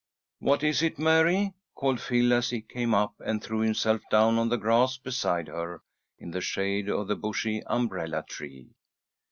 "What is it, Mary?" called Phil, as he came up and threw himself down on the grass beside her, in the shade of the bushy umbrella tree.